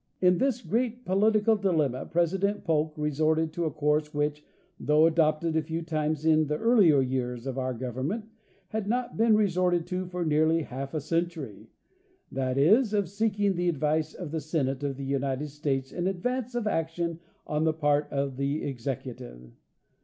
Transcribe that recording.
In this great political dilemma President Polk resorted to a course which, though adopted a few times in the earlier years of our government, had not been resorted to for nearly half a century—that is, of seeking the advice of the Senate of the United States in advance of action on the part of the executive.